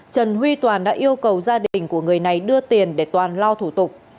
trần huy toàn đã yêu cầu gia đình của người này đưa tiền để toàn lo thủ tục